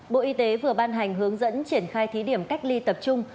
bộ y tế vừa ban hành hướng dẫn triển khai thí điểm cách ly tập trung